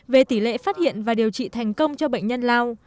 về tỷ lệ phát hiện và điều trị thành công cho bệnh nhân lao